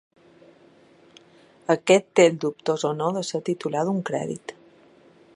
Aquest té el dubtós honor de ser titular d'un crèdit.